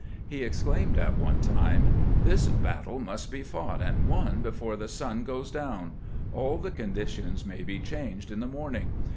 He exclaimed at one time: "This battle must be fought and won before the sun goes down. All the conditions may be changed in the morning.